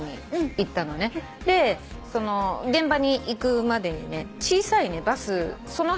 その現場に行くまでにね小さいねバス。